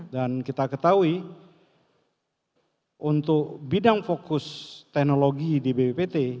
dan kita ketahui untuk bidang fokus teknologi di bppt